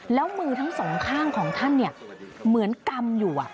แล้วมือทั้งสองข้างของท่านเหมือนกำอยู่